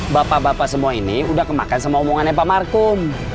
bapak bapak semua ini udah kemakan semua omongannya pak markum